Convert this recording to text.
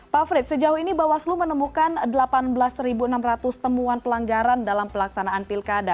pak frits sejauh ini bawaslu menemukan delapan belas enam ratus temuan pelanggaran dalam pelaksanaan pilkada